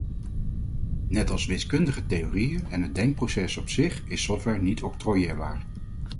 Net als wiskundige theorieën en het denkproces op zich, is software niet octrooieerbaar.